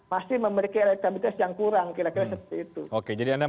masih memberi elektamitas yang kurang